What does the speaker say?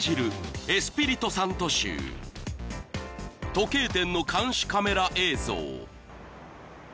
［時計店の監視カメラ映像］